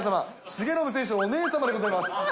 重信選手のお姉様でございます。